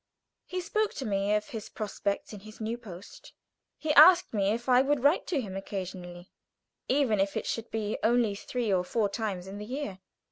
He spoke to me of his prospects in his new post. He asked me if I would write to him occasionally, even if it should be only three or four times in the year.